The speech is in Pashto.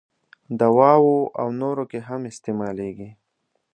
دواوو او نورو کې هم استعمالیږي.